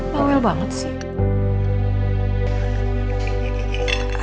bawel banget sih